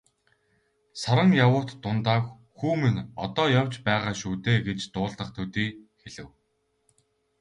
Саран явуут дундаа "Хүү минь одоо явж байгаа шүү дээ" гэж дуулдах төдий хэлэв.